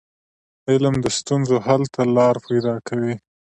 علم د ستونزو حل ته لار پيداکوي.